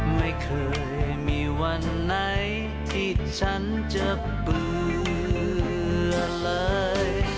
ไม่เคยมีวันไหนที่ฉันจะเบื่อเลย